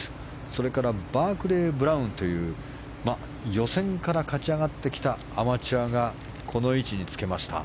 それからバークレー・ブラウンという予選から勝ち上がってきたアマチュアがこの位置につけました。